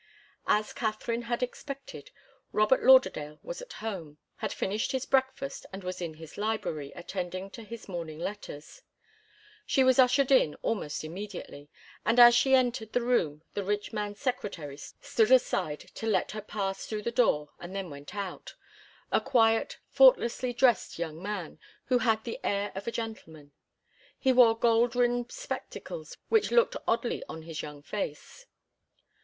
As Katharine had expected, Robert Lauderdale was at home, had finished his breakfast and was in his library attending to his morning letters. She was ushered in almost immediately, and as she entered the room the rich man's secretary stood aside [Illustration: "'I'm glad to see you, my dear child!' he said warmly." Vol. II., p. 3.] to let her pass through the door and then went out a quiet, faultlessly dressed young man who had the air of a gentleman. He wore gold rimmed spectacles, which looked oddly on his young face.